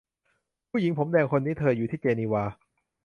ผู้หญิงผมแดงคนนี้ เธออยู่ที่เจนีวา